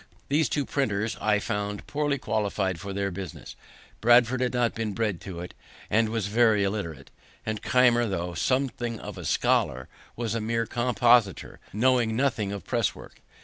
These two printers I found poorly qualified for their business. Bradford had not been bred to it, and was very illiterate; and Keimer, tho' something of a scholar, was a mere compositor, knowing nothing of presswork.